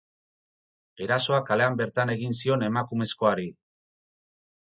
Erasoa kalean bertan egin zion emakumezkoari.